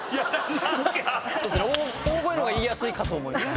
大声が言いやすいかと思います。